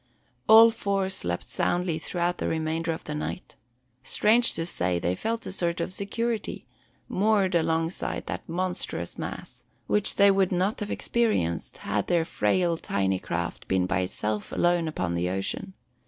All four slept soundly throughout the remainder of the night. Strange to say, they felt a sort of security, moored alongside that monstrous mass, which they would not have experienced had their frail tiny craft been by itself alone upon the ocean.